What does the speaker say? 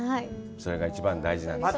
それが一番大事なんです。